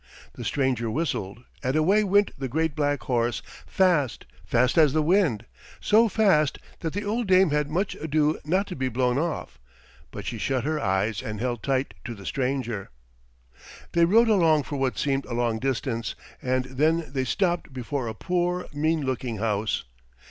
The stranger whistled, and away went the great black horse, fast, fast as the wind; so fast that the old Dame had much ado not to be blown off, but she shut her eyes and held tight to the stranger. They rode along for what seemed a long distance, and then they stopped before a poor, mean looking house.